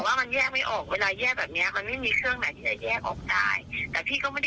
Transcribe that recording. แต่ว่ามันแยกไม่ออกเวลาแยกแบบเนี้ยมันไม่มีเครื่องแหน่งที่จะแยกออกได้